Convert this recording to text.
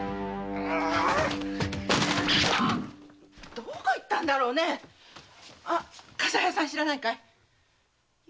どこへ行ったんだろ笠平さん知らないかい？